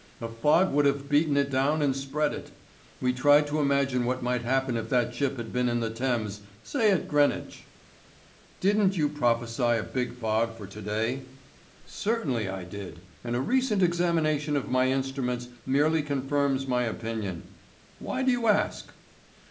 A fog would have beaten it down and spread it. We tried to imagine what might happen if that ship had been in the Thames, say at Greenwich." "Didn't you prophesy a big fog for to day?" "Certainly I did. And a recent examination of my instruments merely confirms my opinion. Why do you ask?"